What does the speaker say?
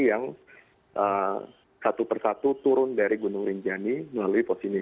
yang satu persatu turun dari gunung rinjani melalui pos ini